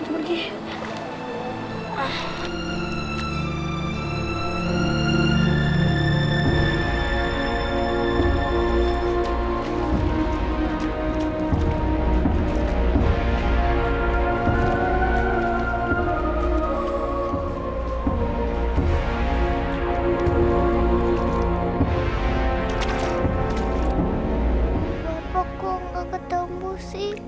bapak kok gak ketemu sih